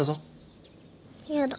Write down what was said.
やだ